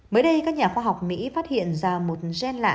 mới đây các nhà khoa học mỹ phát hiện ra một gen lạ